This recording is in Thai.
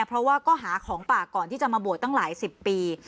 เพราะว่าก็หาของป่าก่อนที่จะมาบวชตั้งหลายสิบปี